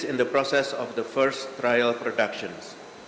pemerintah indonesia telah membuat rencana untuk penelitian regen covid sembilan belas